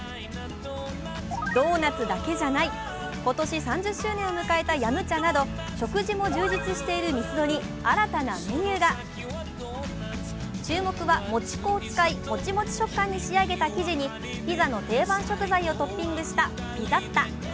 ドーナツだけじゃない、今年３０周年を迎えたヤムチャなど食事も充実しているミスドに新たなメニューが注目は餅粉を使い、モチモチ触感に仕上げた生地にピザの定番食材をトッピングしたピザッタ。